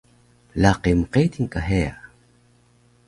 laqi mqedil ka heya